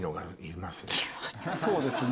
そうですね。